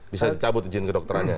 bisa dicabut izin ke dokterannya